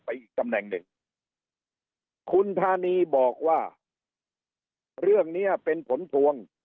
อีกตำแหน่งหนึ่งคุณธานีบอกว่าเรื่องเนี้ยเป็นผลพวง